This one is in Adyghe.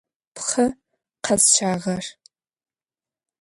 Пхъэ къэсщагъэр.